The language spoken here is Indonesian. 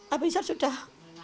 abis itu sudah